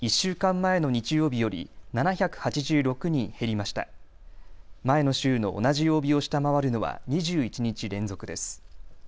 前の週の同じ曜日を下回るのは２１日連続です。